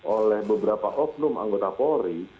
oleh beberapa oknum anggota polri